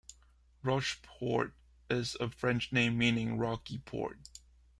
Rocheport is a French name meaning "rocky port".